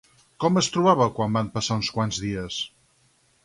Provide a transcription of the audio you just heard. Com es trobava quan van passar uns quants dies?